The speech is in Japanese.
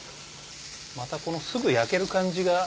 またこのすぐ焼ける感じが。